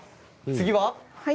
次は？